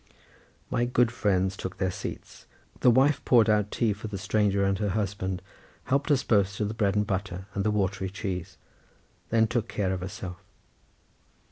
My good friends took their seats, the wife poured out tea for the stranger and her husband, helped us both to bread and butter and the watery cheese, then took care of herself.